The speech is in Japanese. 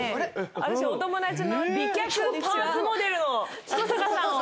私お友達の美脚パーツモデルの彦坂さんを連れてきました。